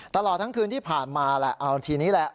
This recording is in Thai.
ตลอดทั้งคืนที่ผ่านมาแหละเอาทีนี้แหละ